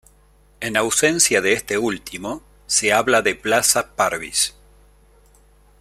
En ausencia de este último, se habla de plaza-parvis.